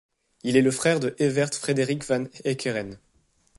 Il est le frère de Evert Frederik van Heeckeren.